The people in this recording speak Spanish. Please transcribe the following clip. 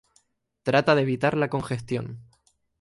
Trata de evitar la congestión.